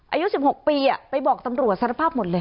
อายุ๑๖ปีไปบอกตำรวจสารภาพหมดเลย